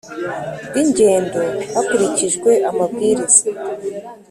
Bw ingendo hakurikijwe amabwiriza